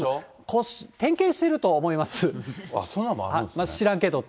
点検してると思います。